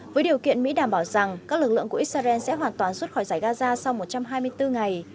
với điều kiện mỹ đảm bảo rằng các lực lượng của israel sẽ hoàn toàn rút khỏi giải gaza sau một trăm hai mươi bốn ngày